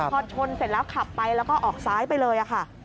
พอชนเสร็จแล้วขับไปแล้วก็ออกซ้ายไปเลยค่ะ